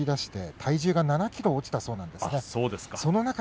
体重が７ｋｇ落ちたということです。